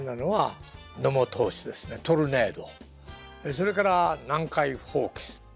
それから南海ホークス。